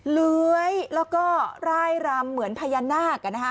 เหลื้อยแล้วก็ร่ายรำเหมือนพญานาคกันนะฮะ